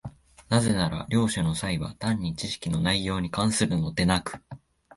なぜなら両者の差異は単に知識の内容に関するのでなく、